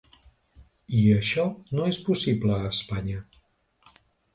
I això no és possible a Espanya.